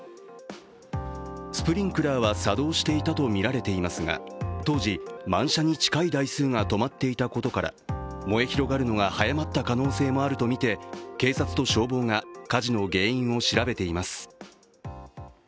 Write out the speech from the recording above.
スプリンクラーは作動していたとみられていますが当時、満車に近い台数が止まっていたことから燃え広がるのが早まった可能性もあるとみて警察と消防が火事の原因を調べています。